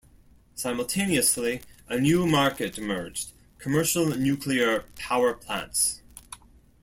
Simultaneously, a new market emerged: commercial nuclear power plants.